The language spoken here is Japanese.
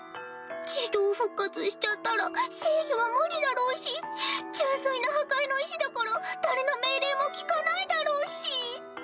自動復活しちゃったら制御は無理だろうし純粋な破壊の意思だから誰の命令も聞かないだろうし。